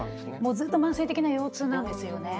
ずっと慢性的な腰痛なんですよね。